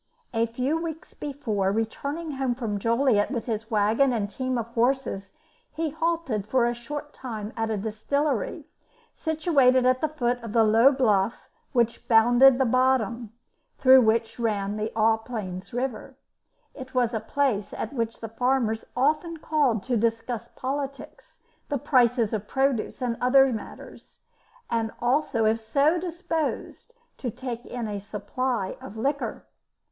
A few weeks before, returning home from Joliet with his waggon and team of horses, he halted for a short time at a distillery, situated at the foot of the low bluff which bounded the bottom, through which ran the Aux Plaines River. It was a place at which the farmers often called to discuss politics, the prices of produce, and other matters, and also, if so disposed, to take in a supply of liquor.